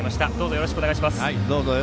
よろしくお願いします。